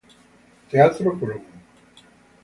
Teatro Colón.